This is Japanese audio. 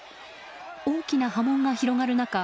大きな波紋が広がる中